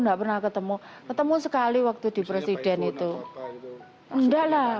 enggak coming nah ketemu ketemu sekali waktu di presiden itu ndak lah aku ngapain aku pilih ngomong